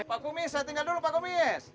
pak kumis saya tinggal dulu pak kumies